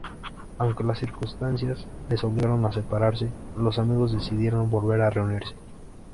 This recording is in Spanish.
Aunque las circunstancias les obligaron a separarse, los amigos deciden volver a reunirse.